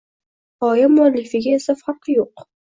G‘oya muallifiga esa farqi yo‘q